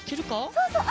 そうそう。